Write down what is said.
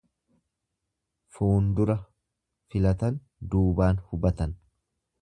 Fuundura filatan duubaan hubatan.